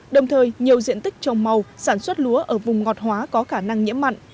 đồng thời nhiều diện tích trồng màu sản xuất lúa ở vùng ngọt hóa có khả năng nhiễm mặn